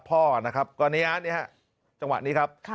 พ่อนะครับกรณญาณนี้ครับจังหวัดนี้ครับ